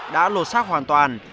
đã lột xác hoàn toàn